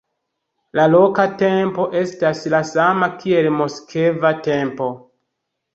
La loka tempo estas la sama kiel moskva tempo.